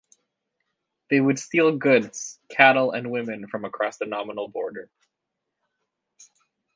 They would steal goods, cattle and women from across the nominal border.